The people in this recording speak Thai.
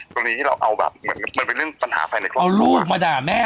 กรณีที่เราเอาแบบเหมือนมันเป็นเรื่องปัญหาภายในครอบครัวเอาลูกมาด่าแม่